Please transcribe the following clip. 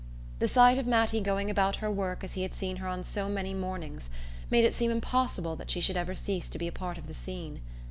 The sight of Mattie going about her work as he had seen her on so many mornings made it seem impossible that she should ever cease to be a part of the scene.